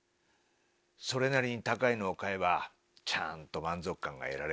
それなりに高いのを買えばちゃんと満足感が得られる。